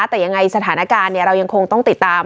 แต่ยังไงสถานการณ์เรายังคงต้องติดตาม